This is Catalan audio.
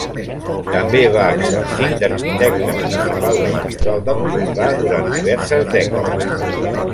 També va exercir d'arquitecte municipal de la Bisbal d'Empordà durant diverses dècades.